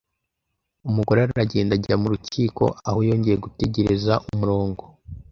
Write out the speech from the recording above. Umugore aragenda ajya mu rukiko, aho yongeye gutegereza umurongo.